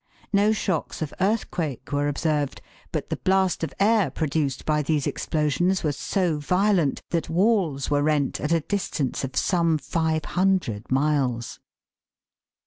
No shocks of earth quake were observed, but the blast of air produced by these explosions was so violent that walls were rent at a distance of some 500 miles.